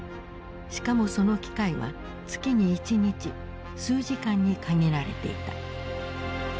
しかもその機会は月に１日数時間に限られていた。